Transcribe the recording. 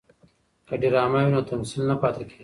که ډرامه وي نو تمثیل نه پاتې کیږي.